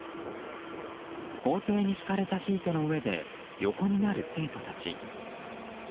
校庭に敷かれたシートの上で横になる生徒たち。